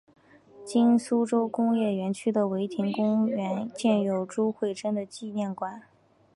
今苏州工业园区的唯亭公园建有朱慧珍的纪念馆。